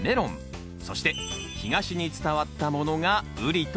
そして東に伝わったものがウリとなりました。